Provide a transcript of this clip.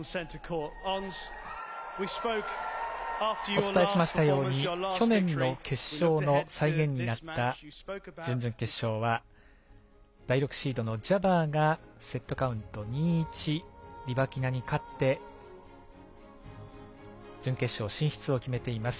お伝えしましたように去年の決勝の再現になった準々決勝は第６シードのジャバーがセットカウント２−１、リバキナに勝って準決勝進出を決めています。